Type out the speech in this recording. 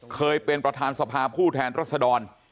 เคยเป็นประธานสภาผู้แทนรัศดร